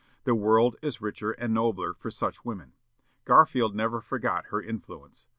The world is richer and nobler for such women. Garfield never forgot her influence.